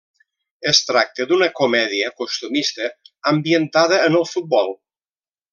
Es tracta d'una comèdia costumista ambientada en el futbol.